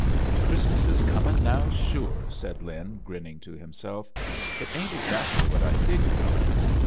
"Christmas is comin' now, sure," Lin, grinning to himself. "It ain't exact ly what I figured on."